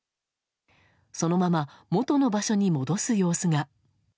そのまま元の場所に戻す様子が。